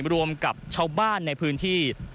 รวมกับชาวบ้านในพื้นที่